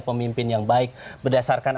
pemimpin yang baik berdasarkan